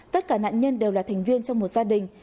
tất cả nạn nhân đều là thành viên trong một gia đình